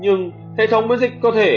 nhưng hệ thống nguyễn dịch cơ thể